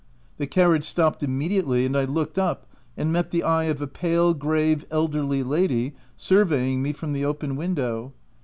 The carriage shopped immediately, and I looked up and met the eye of a pale, grave, elderly lady surveying me from the open window.